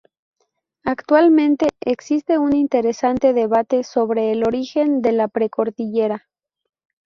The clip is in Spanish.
Actualmente existe un interesante debate sobre el origen de la Precordillera.